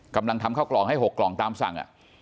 กำลังทำข้าวกล่องให้๖กล่องตามสั่ง